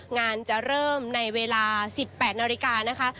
งานจะเริ่มในเวลา๑๘นาฬิกานะคะ